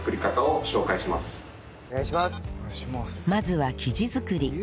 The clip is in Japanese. まずは生地作り